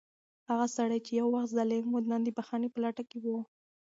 هغه سړی چې یو وخت ظالم و، نن د بښنې په لټه کې و.